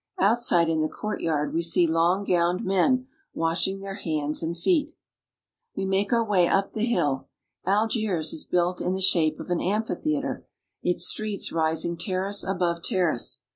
Out I side in the courtyard we see long gowned men washing } their hands and feet We make our way up the hill. Algiers is built in the I shape of an amphitheater, its streets rising terrace above terrace.